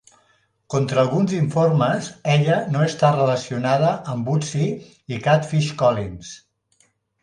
Contra alguns informes, ella no està relacionada amb Bootsy i Catfish Collins.